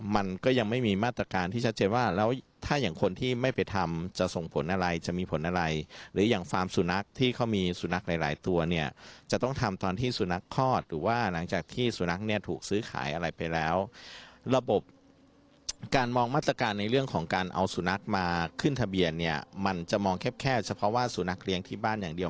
มันก็ยังไม่มีมาตรการที่ชัดเจนว่าแล้วถ้าอย่างคนที่ไม่ไปทำจะส่งผลอะไรจะมีผลอะไรหรืออย่างฟาร์มสุนัขที่เขามีสุนัขหลายหลายตัวเนี่ยจะต้องทำตอนที่สุนัขคลอดหรือว่าหลังจากที่สุนัขเนี่ยถูกซื้อขายอะไรไปแล้วระบบการมองมาตรการในเรื่องของการเอาสุนัขมาขึ้นทะเบียนเนี่ยมันจะมองแค่แค่เฉพาะว่าสุนัขเลี้ยงที่บ้านอย่างเดียว